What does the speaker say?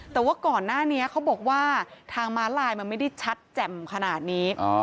แต่ว่าก่อนหน้านี้เขาบอกว่าทางม้าลายมันไม่ได้ชัดแจ่มขนาดนี้